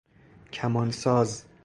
کمان ساز